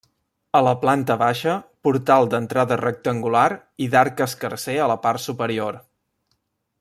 A la planta baixa, portal d'entrada rectangular i d'arc escarser a la part superior.